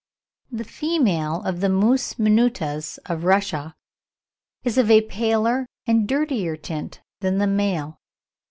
The female of the Mus minutus of Russia is of a paler and dirtier tint than the male.